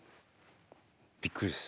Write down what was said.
びっくりです。